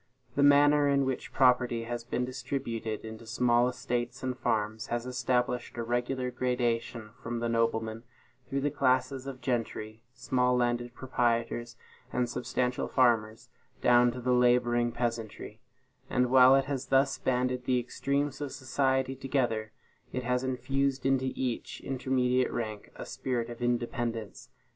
The manner in which property has been distributed into small estates and farms has established a regular gradation from the noblemen, through the classes of gentry, small landed proprietors, and substantial farmers, down to the laboring peasantry; and while it has thus banded the extremes of society together, has infused into each intermediate rank a spirit of independence.